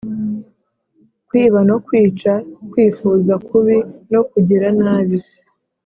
Kwiba no kwica kwifuza kubi no kugira nabi